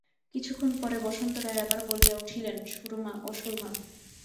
কিছুক্ষণ পরে বসন্ত রায় আবার বলিয়া উঠিলেন, সুরমা, ও সুরমা।